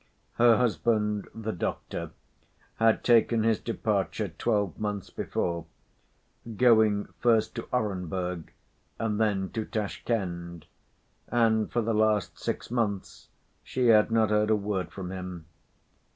Her husband, the doctor, had taken his departure twelve months before, going first to Orenburg and then to Tashkend, and for the last six months she had not heard a word from him.